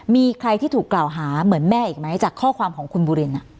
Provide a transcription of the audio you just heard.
มีใครที่ถูกกล่าวหาเหมือนแม่อีกไหมจากข้อความของคุณบุริน